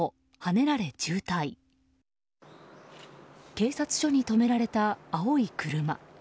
警察署に止められた青い車。